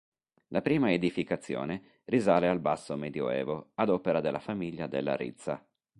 La prima edificazione risale al Basso Medioevo, ad opera della famiglia della Rizza.